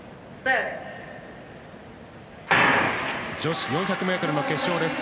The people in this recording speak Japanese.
女子４００ｍの決勝です。